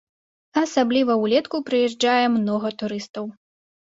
А асабліва ўлетку прыязджае многа турыстаў.